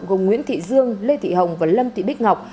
gồm nguyễn thị dương lê thị hồng và lâm thị bích ngọc